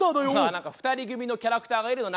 何か２人組のキャラクターがいるの。